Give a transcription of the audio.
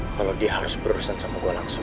kalau dia harus berurusan sama gue langsung